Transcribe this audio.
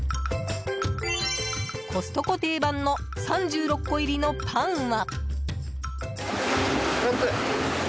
コストコ定番の３６個入りのパンは。